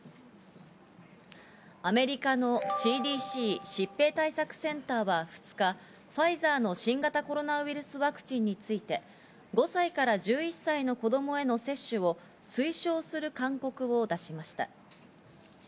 アメリカのＣＤＣ＝疾病対策センターは２日、ファイザーの新型コロナウイルスワクチンについて５歳から１１歳の子供への接種を推奨する勧告を出しました。